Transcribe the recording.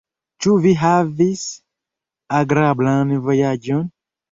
Ĉu vi havis agrablan vojaĝon?